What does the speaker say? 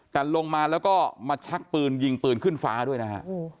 แต่ลงมาแล้วก็มาชักปืนยิงปืนขึ้นฟ้าด้วยนะฮะ